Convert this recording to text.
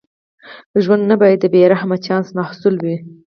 ژوند نه باید د بې رحمه چانس محصول وي.